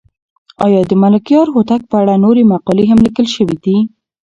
آیا د ملکیار هوتک په اړه نورې مقالې هم لیکل شوې دي؟